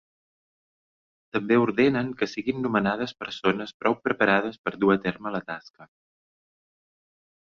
També ordenen que siguin nomenades persones prou preparades per dur a terme la tasca.